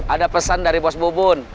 ada pesan dari bos bubun